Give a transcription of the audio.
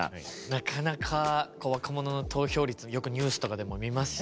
なかなか若者の投票率よくニュースとかでも見ますし。